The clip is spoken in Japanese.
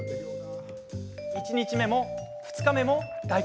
１日目も、２日目も大根。